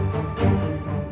saya kan jauh